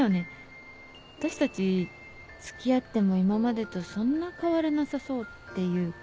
私たち付き合っても今までとそんな変わらなさそうっていうか。